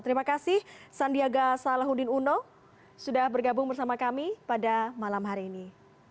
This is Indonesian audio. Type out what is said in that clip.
terima kasih sandiaga salahuddin uno sudah bergabung bersama kami pada malam hari ini